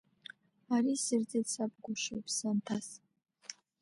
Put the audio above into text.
Ари сирҵеит саб гәышьа иԥсы анҭаз.